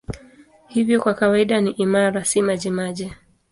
Hivyo kwa kawaida ni imara, si majimaji.